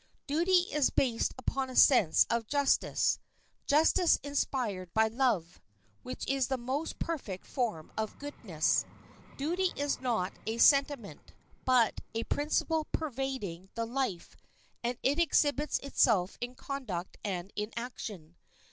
Duty is based upon a sense of justice—justice inspired by love—which is the most perfect form of goodness. Duty is not a sentiment, but a principle pervading the life, and it exhibits itself in conduct and in action.